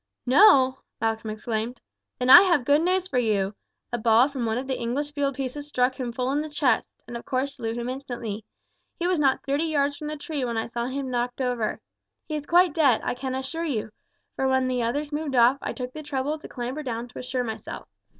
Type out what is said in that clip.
"No!" Malcolm exclaimed; "then I have good news for you. A ball from one of the English field pieces struck him full in the chest, and of course slew him instantly. He was not thirty yards from the tree when I saw him knocked over. He is quite dead, I can assure you, for when the others moved off I took the trouble to clamber down to assure myself.